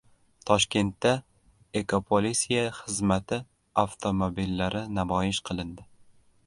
Toshkentda ekopolisiya xizmati avtomobillari namoyish qilindi